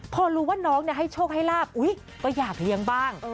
พอรู้ว่าน้องให้โชคให้ลาบก็อยากเลี้ยงบ้าง